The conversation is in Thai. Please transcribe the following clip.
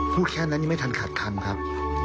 พูดแค่นั้นยังไม่ทันขาดคำครับ